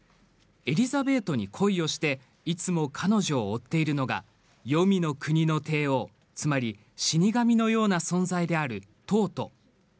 エリザベートに恋をしていつも彼女を追っているのが黄泉の国の帝王つまり死神のような存在であるトート。